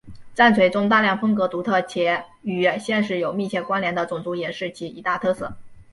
战锤中大量风格独特且与现实有密切关联的种族也是其一大特色。